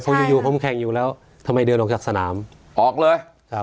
เพราะอยู่พ้มแข่งอยู่แล้วทำไมเดินลงจากสนามออกเลยครับ